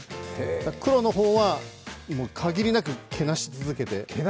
黒の方は限りなく、けなし続けて。